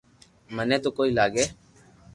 مني تو ڪوئي لاگي